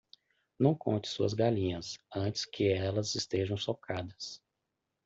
Não conte suas galinhas antes que elas sejam chocadas.